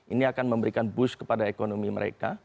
ini akan memberikan boost kepada ekonomi mereka